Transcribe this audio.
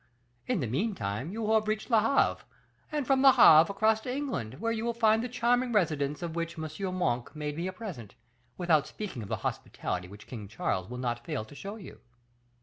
In the meantime you will have reached Le Havre, and from Le Havre across to England, where you will find the charming residence of which M. Monk made me a present, without speaking of the hospitality which King Charles will not fail to show you.